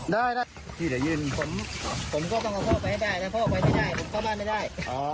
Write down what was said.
ได้พี่จะยืนผมก็ต้องเอาเข้าไปให้ได้ถ้าเข้าไปไม่ได้ผมเข้าบ้านไม่ได้